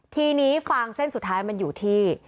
ทีนี้ฟางเส้นสุดท้ายมันอยู่ที่